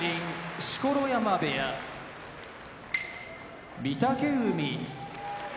錣山部屋御嶽海